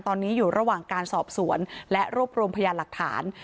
ตอนนี้อยู่ระหว่างการสอบสวนและรวบรวมพยานหลักฐาน